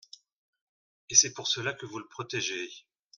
Et c’est pour cela que vous le protégez.